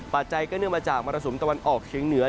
ปัจจัยก็เนื่องมาจากมรสุมตะวันออกเชียงเหนือ